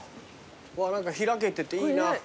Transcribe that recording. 何か開けてていいな。